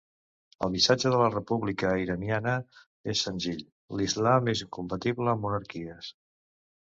El missatge de la república iraniana és senzill, l'Islam és incompatible amb monarquies.